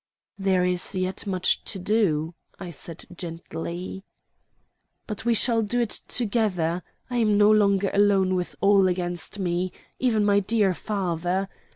"There is yet much to do," I said gently. "But we shall do it together. I am no longer alone with all against me, even my dear father.